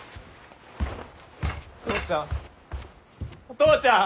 父ちゃん。